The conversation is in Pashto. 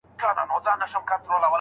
زما د زړه کوچۍ پر سپينه زنه خال وهي